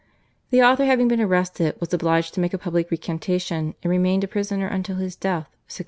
The author having been arrested was obliged to make a public recantation, and remained a prisoner until his death (1696).